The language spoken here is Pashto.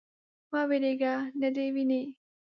_مه وېرېږه. نه دې ويني.